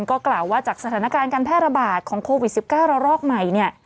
ก็กล่าวว่าจากสถานการณ์การแพร่ระบาดของโควิด๑๙ระลอกใหม่เนี่ย